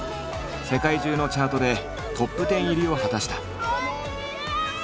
世界中のチャートでトップ１０入りを果たした。